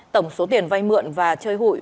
tổng số tiền vay mượn và chơi hụi